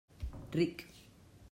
Ric.